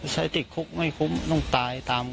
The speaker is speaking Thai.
ใช้ติดคุกไม่คุ้มต้องตายตามนั้นไป